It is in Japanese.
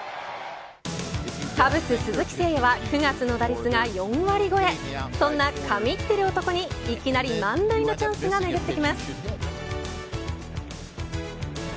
カブス鈴木誠也は９月の打率が４割超えそんな神ってる男にいきなり満塁のチャンスがめぐってきます。